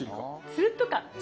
つるっと感。